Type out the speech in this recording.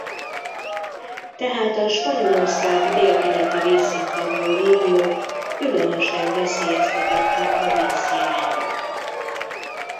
Tehát a Spanyolország délkeleti részén fekvő régiók különösen veszélyeztetettek a vízhiányra.